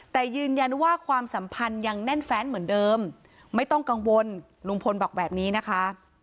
แต่ยืนยันว่าความสัมพันธ์ยังแน่นแฟนเหมือนเดิมไม่ต้องกังวลลุงพลบอกแบบนี้นะคะ